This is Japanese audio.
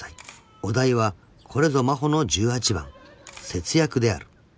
［お題はこれぞ真帆の十八番節約である］